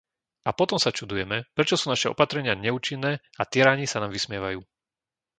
A potom sa čudujeme, prečo sú naše opatrenia neúčinné a tyrani sa nám vysmievajú!